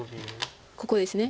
ここですね。